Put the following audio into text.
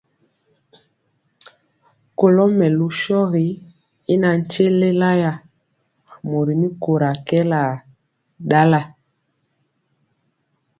Kɔlo mɛlu shogi y natye lélaya, mori mɛkóra kɛɛla ndala.